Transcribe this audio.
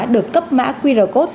được cấp mã qr code